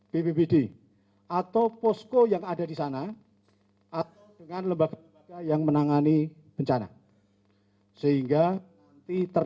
bbb di atau posko yang ada di sana atau dengan lembaga yang menangani bencana sehingga peter